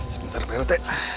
sebentar pak rt